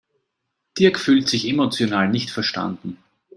Dirk fühlt sich emotional nicht verstanden.